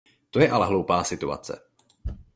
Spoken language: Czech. To je ale hloupá situace.